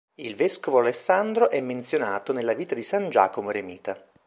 Il vescovo Alessandro è menzionato nella vita di san Giacomo eremita.